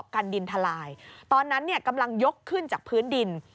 กันดินทลายตอนนั้นกำลังยกขึ้นจากพื้นดิน